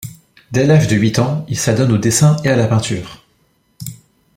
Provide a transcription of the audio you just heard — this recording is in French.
Dès l'âge de huit ans, il s'adonne au dessin et à la peinture.